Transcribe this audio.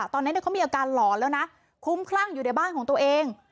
ตอนนั้นเขามีอาการหลอนแล้วนะคุ้มคลั่งอยู่ในบ้านของตัวเอง